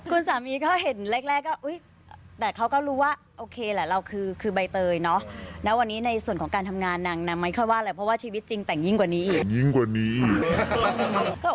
คุณสามีก็เห็นแรกก็อุ๊ยแต่เขาก็รู้ว่าโอเคแหละเราคือใบเตยแล้วไม่เคยว่าอะไรเพราะว่าชีวิตจริงแต่งยิ่งกว่านี้อีก